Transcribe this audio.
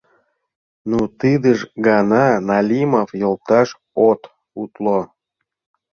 — Ну, тидыж гана, Налимов йолташ, от утло!..